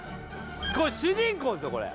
主人公ですよこれ。